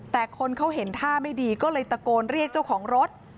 แต่คนเขาเห็นท่าไม่ดีก็เลยตะโกนเรียกเจ้าของรถ